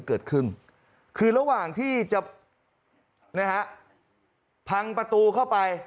เกิดขึ้นคือระหว่างที่จะนะฮะพังประตูเข้าไป